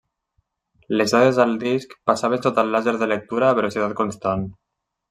Les dades al disc passaven sota el làser de lectura a velocitat constant.